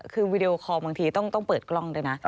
คือวีดีโอคอลบางทีต้องเปิดกล้องด้วยนะ